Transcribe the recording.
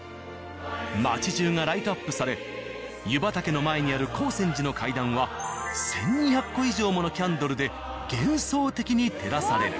街じゅうがライトアップされ湯畑の前にある光泉寺の階段は１２００個以上ものキャンドルで幻想的に照らされる。